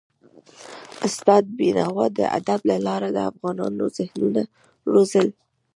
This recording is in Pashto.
استاد بينوا د ادب له لارې د افغانونو ذهنونه روزل.